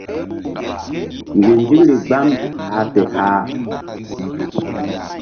Nzinzikri gbam hah fe hah.